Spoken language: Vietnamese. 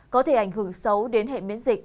có thể ảnh hưởng xấu đến hệ miễn dịch